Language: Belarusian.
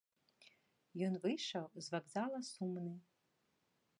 Ён выйшаў з вакзала сумны.